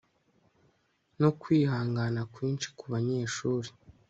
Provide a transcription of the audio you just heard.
no kwihangana kwinshi kubanyeshuri